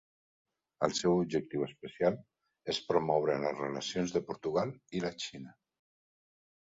El seu objectiu especial és promoure les relacions de Portugal i la Xina.